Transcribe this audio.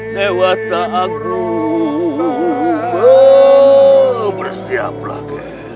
dewa tak agung bersiaplah